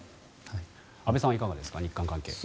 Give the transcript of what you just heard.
安部さんはいかがですか、日韓関係。